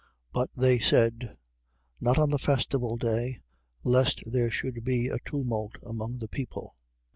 But they said: Not on the festival day, lest there should be a tumult among the people.